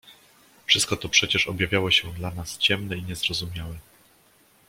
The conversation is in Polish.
"Wszystko to przecież objawiało się dla nas ciemne i niezrozumiałe."